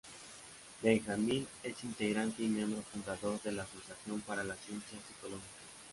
Benjamin es integrante y miembro fundador de la Asociación para la Ciencia Psicológica.